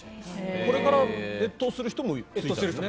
これから越冬する人もいるんだよね。